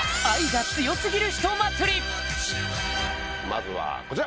まずはこちら！